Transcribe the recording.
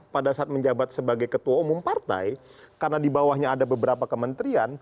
pada saat menjabat sebagai ketua umum partai karena di bawahnya ada beberapa kementerian